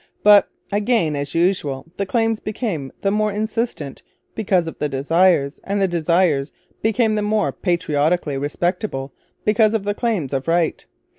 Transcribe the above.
But, again as usual, the claims became the more insistent because of the desires, and the desires became the more patriotically respectable because of the claims of right.